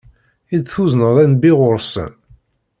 I d-tuzneḍ a Nnbi ɣer-sen.